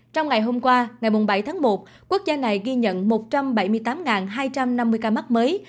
trong ngày hôm qua ngày bảy tháng một quốc gia này ghi nhận một trăm bảy mươi tám hai trăm năm mươi ca mắc mới